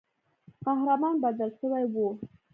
قهرمان بدل سوی وو.